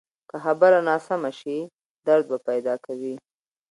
که خبره ناسمه شي، درد پیدا کوي